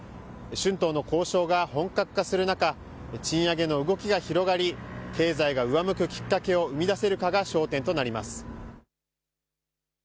春闘の交渉が本格化する中、賃上げの動きが広がり経済が上向くきっかけを生み出せるかが焦点となります。